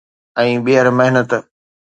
۽ ٻيهر محنت